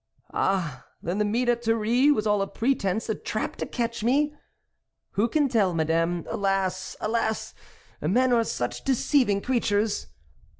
" Ah ! then the meet at Thury was all a pretence, a trap to catch me ?"" Who can tell, Madame ? Alas ! alas ! men are such deceiving creatures